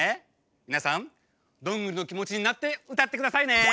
みなさんどんぐりのきもちになってうたってくださいね！